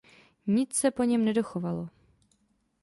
Nic se po něm nedochovalo.